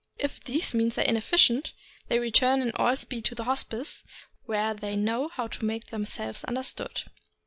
If these means are inefficient, they return in all speed to the Hospice, where they know how to make themselves understood.